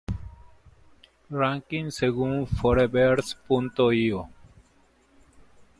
Ranking según Forebears.io.